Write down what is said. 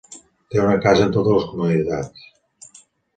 Té una casa amb totes les comoditats.